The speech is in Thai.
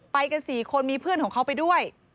ไปกัน๔คนมีเพื่อนของเขาไปด้วย